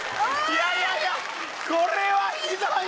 いやいやいやこれはひどい！